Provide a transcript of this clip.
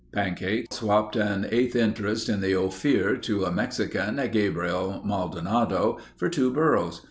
Pancake swapped an eighth interest in the Ophir to a Mexican, Gabriel Maldonado, for two burros.